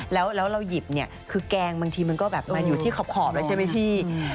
แล้วเราหยิบเนี่ยคือแกงบางทีมันก็แบบมาอยู่ที่ขอบแล้วใช่ไหมพี่